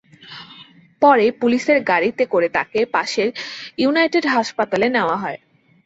পরে পুলিশের একটি গাড়িতে করে তাঁকে পাশের ইউনাইটেড হাসপাতালে নেওয়া হয়।